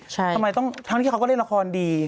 ทำไมต้องทั้งที่เขาก็เล่นละครดี